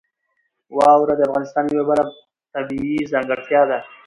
واوره د افغانستان یوه بله طبیعي ځانګړتیا ده.